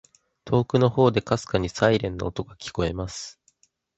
•遠くの方で、微かにサイレンの音が聞こえます。